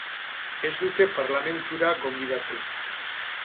Ez dute parlamentura gonbidatu.